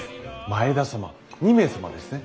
前田様２名様ですね。